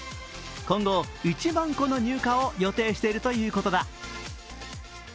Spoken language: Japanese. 今後１万個の入荷を予定しているということだ。